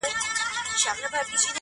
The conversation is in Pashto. نه پنډت ووهلم، نه راهب فتواء ورکړه خو.